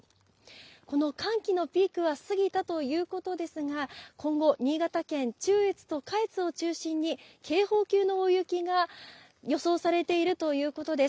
この寒気のピークは過ぎたということですが、今後、新潟県、中越と下越を中心に、警報級の大雪が予想されているということです。